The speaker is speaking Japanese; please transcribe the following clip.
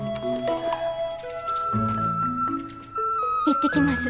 行ってきます。